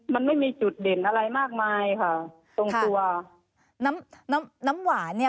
มันไม่มีจุดเด่นอะไรมากมายค่ะตรงตัวน้ำน้ำน้ำหวานเนี่ย